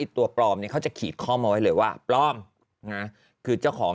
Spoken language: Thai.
ตัวปลอมเนี่ยเขาจะขีดข้อมาไว้เลยว่าปลอมนะคือเจ้าของ